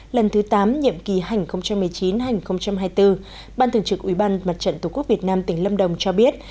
lần thứ tám nhiệm kỳ hành một mươi chín hai nghìn hai mươi bốn ban thường trực ủy ban mặt trận tổ quốc việt nam tỉnh lâm đồng cho biết